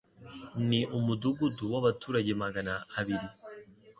Ni umudugudu w'abaturage magana abiri.